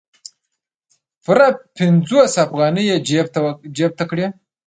پوره پنځوس افغانۍ یې جیب ته کړې.